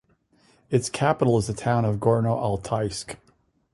Its capital is the town of Gorno-Altaysk.